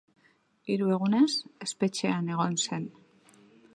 Hiru egunez espetxean egon zen.